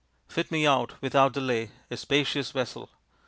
" Fit me out, without delay, a spacious vessel.